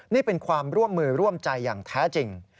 นี่เป็นความร่วมมือร่วมใจอย่างแท้จริง